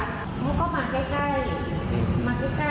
เหมือนกับว่าเฮ้ยตรงนี้มันแบบว่า